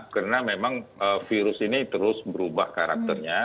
karena memang virus ini terus berubah karakternya